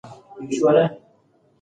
پلان جوړول فشار کموي.